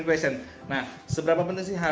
aku ya karena sebenernya cara nyanyi dia dan aku